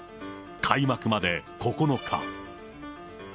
開幕まで９日。